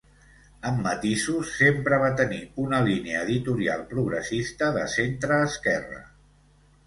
Amb matisos sempre va tenir una línia editorial progressista de centreesquerra.